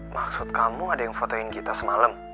maksud kamu ada yang fotoin kita semalam